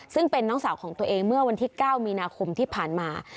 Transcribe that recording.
ซึ่งเป็นน้องสาวของตัวเองเมื่อวันที่๙มีนาคมที่ผ่านมา